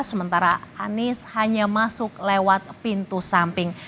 sementara anies hanya masuk lewat pintu samping